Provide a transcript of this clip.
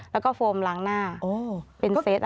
แล้วก็ฟอร์มหลังหน้าเป็นเซ็ต